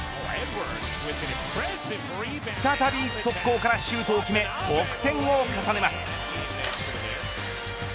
再び速攻からシュートを決め得点を重ねます。